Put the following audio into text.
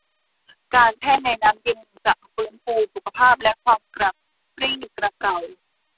การแช่ในน้ำเย็นจะฟื้นฟูสุขภาพและความกระปรี้กระเปร่า